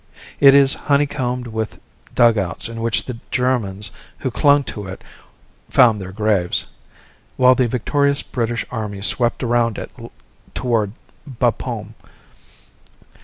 It is honeycombed with dugouts in which the Germans who clung to it found their graves, while the victorious British army swept around it toward Bapaume.